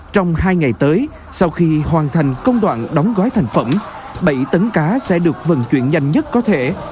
trong hai ngày tới sau khi hoàn thành công đoạn đóng gói thành phẩm bảy tấn cá sẽ được vận chuyển nhanh nhất có thể